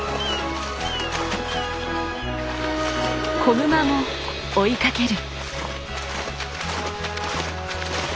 子グマも追いかける。